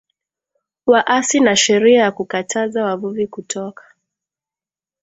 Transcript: waasi na sheria ya kukataza wavuvi kutoka